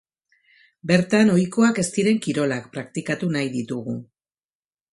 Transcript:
Bertan ohikoak ez diren kirolak praktikatu nahi ditugu.